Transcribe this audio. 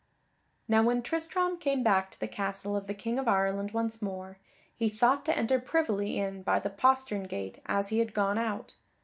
Now when Tristram came back to the castle of the King of Ireland once more, he thought to enter privily in by the postern gate as he had gone out.